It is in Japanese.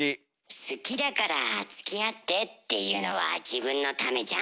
「好きだからつきあって」っていうのは自分のためじゃん？